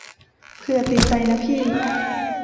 เผื่อติดใจนะพี่